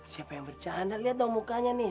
siapa yang bercanda lihat dong mukanya nih